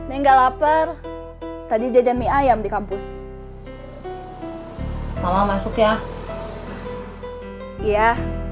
enggak lapar tadi jajan mie ayam di kampus mama masuk ya iya